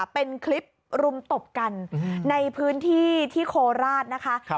เป็นคลิปรุมตบกันในพื้นที่ที่โคราชนะคะ